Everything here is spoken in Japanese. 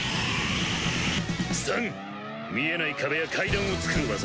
３見えない壁や階段を作る技。